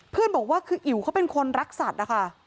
บอกว่าคืออิ๋วเขาเป็นคนรักสัตว์นะคะ